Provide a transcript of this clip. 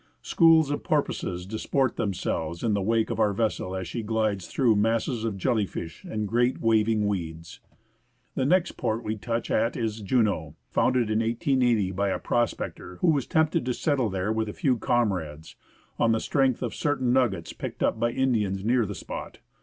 Schools of porpoises disport themselves in the JUNEAU BAY. wake of our vessel as she glides through masses of jelly fish and great waving weeds. The next port we touch at is Juneau, founded in 1880 by a prospector who was tempted to settle there with a few com rades on the strength of certain nuggets picked up by Indians near the spot.